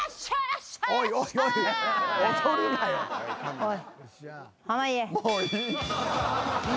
おい！